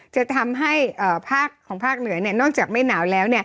จะทำให้ภาคของภาคเหนือนอกจากไม่หนาวแล้ว